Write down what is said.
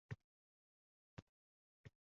Shu vaksinalarni olib kelinishiga bosh qosh boʻlgan.